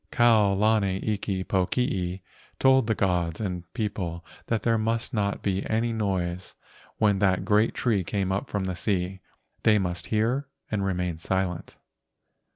Kau lana iki pokii told the gods and people that there must not be any noise when that great tree came up from the sea. They must hear and remain silent.